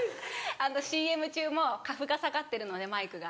あとＣＭ中もカフが下がってるのでマイクが。